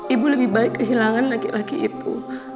ibu lebih baik kehilangan laki laki itu